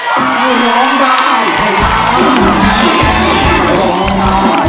ร้องได้ให้ร้าน